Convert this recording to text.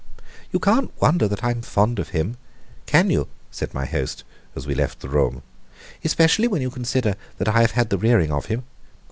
"You can't wonder that I am fond of him, can you?" said my host, as we left the room, "especially when you consider that I have had the rearing of him.